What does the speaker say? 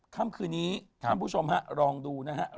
ค่ำคืนนี้ท่านผู้ชมฮะลองดูนะฮะ